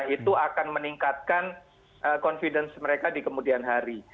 itu akan meningkatkan confidence mereka di kemudian hari